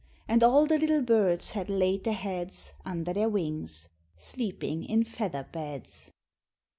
And all the little birds had laid their heads Under their wings sleeping in feather beds.